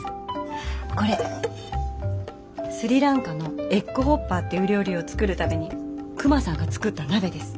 これスリランカのエッグホッパーっていう料理を作るためにクマさんが作った鍋です。